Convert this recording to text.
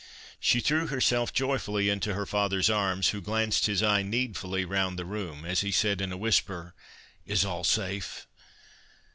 She threw herself joyfully into her father's arms, who glanced his eye needfully round the room, as he said in a whisper, "Is all safe?"